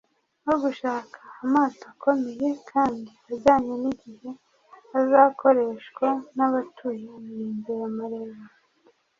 nko gushaka amato akomeye kandi ajyanye n’igihe azakoreshwa n’abatuye imirenge ya Mareba